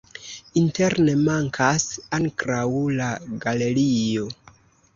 Interne mankas ankraŭ la galerio.